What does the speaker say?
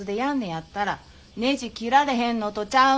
やったらねじ切られへんのとちゃうの。